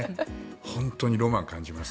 本当にロマンを感じます。